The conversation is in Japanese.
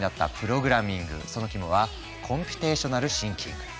その肝はコンピュテーショナル・シンキング。